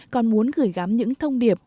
còn muốn gửi gắm những thông điệp